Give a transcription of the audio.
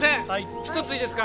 一ついいですか？